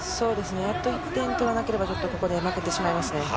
あと１点取らなければここで負けてしまいます。